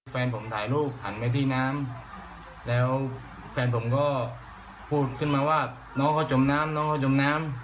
แฟนผมถ่ายรูปหันไปที่น้ำแล้วแฟนผมก็พูดขึ้นมาว่าน้องเขาจมน้ำน้องเขาจมน้ำ